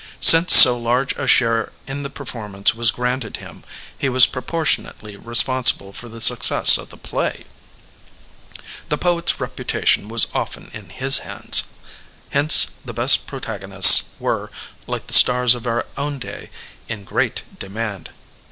Since so large a share in the performance was granted him, he was proportionally respon sible for the success of the play. The poet's reputa tion was often in his hands. Hence the best pro tagonists were, like the stars of our own day, in great demand.